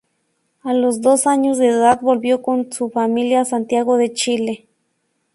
A los dos años de edad, volvió con su familia a Santiago de Chile.